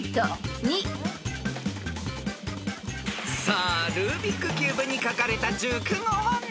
［さあルービックキューブに書かれた熟語は何でしょう？］